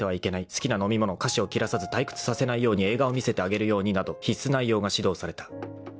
好きな飲み物菓子を切らさず退屈させないように映画を見せてあげるようになど必須内容が指導された］